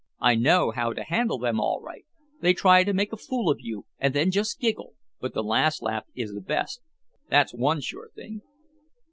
I know how to handle them all right. They try to make a fool of you and then just giggle, but the last laugh is the best, that's one sure thing."